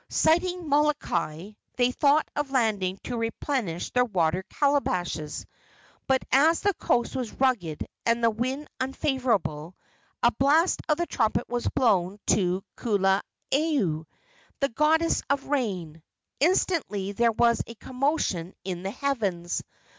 Sighting Molokai, they thought of landing to replenish their water calabashes; but as the coast was rugged and the wind unfavorable, a blast of the trumpet was blown to Kuluiau, the goddess of rain. Instantly there was a commotion in the heavens.